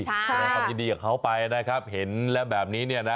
แสดงความยินดีกับเขาไปนะครับเห็นแล้วแบบนี้เนี่ยนะ